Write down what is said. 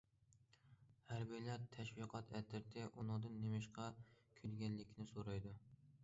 ھەربىيلەر تەشۋىقات ئەترىتى ئۇنىڭدىن نېمىشقا كۈلگەنلىكىنى سورايدۇ.